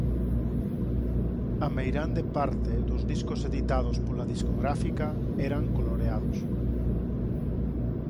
A meirande parte dos discos editados pola discográfica eran coloreados.